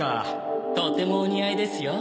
とてもお似合いですよ。